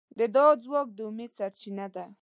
د دعا ځواک د امید سرچینه ده.